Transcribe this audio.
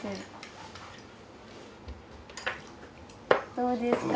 どうですか？